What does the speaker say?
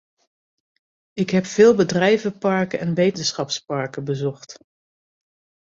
Ik heb veel bedrijvenparken en wetenschapsparken bezocht.